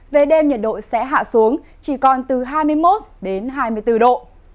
về đêm nhiệt độ sẽ hạ xuống chỉ còn từ hai mươi một hai mươi bốn độ